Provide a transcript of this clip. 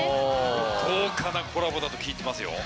豪華なコラボだと聞いてますよ。